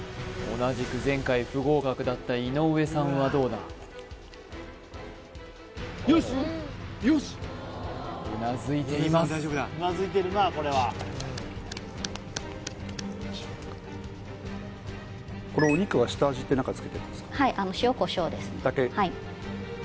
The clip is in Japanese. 同じく前回不合格だった井上さんはどうだうなずいていますだけ？